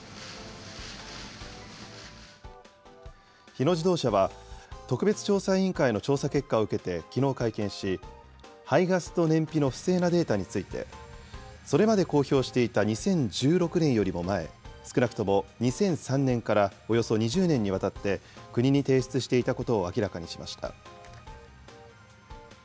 日野自動車は、特別調査委員会の調査結果を受けてきのう会見し、排ガスと燃費の不正なデータについて、それまで公表していた２０１６年よりも前、少なくとも２００３年からおよそ２０年にわたって、国に提出していたことを明らかにしました。